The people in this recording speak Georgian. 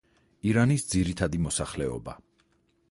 ირანის ძირითადი მოსახლეობა.